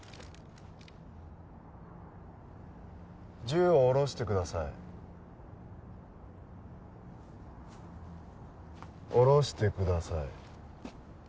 銃を下ろしてください下ろしてください